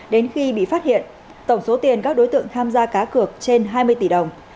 đến khi bị phát hiện tổng số tiền các đối tượng tham gia cá cược trên hai mươi tỷ đồng